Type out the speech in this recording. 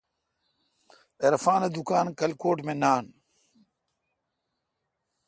عرفان دکان کھلکوٹ می نان۔